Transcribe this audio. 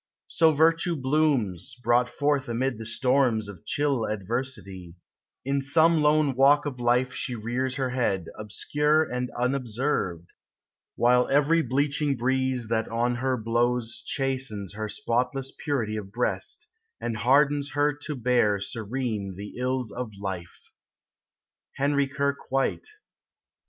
So virtue blooms, broughl forth amid the Btormi Of chill adversity; in sonic lone walk Of life she rears her head, Obscure and unobserved ; 246 POEMS OF NATURE. L While every bleaching breeze that on her blows Chastens her spotless purity of breast, And hardens her to bear Serene the ills of life. HENRY KIRKE WHITE.